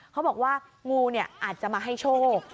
เขาบอกว่างูอาจจะมาให้โชค